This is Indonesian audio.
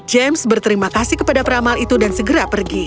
james berterima kasih kepada peramal itu dan segera pergi